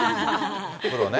プロね。